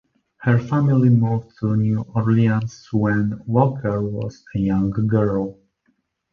Her family moved to New Orleans when Walker was a young girl.